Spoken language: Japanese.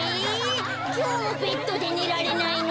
きょうもベッドでねられないの？